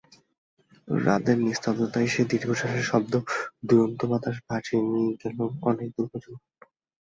রাতের নিস্তব্ধতায় সেই দীর্ঘশ্বাসের শব্দ দুরন্ত বাতাস ভাসিয়ে নিয়ে গেল অনেকদূর পর্যন্ত।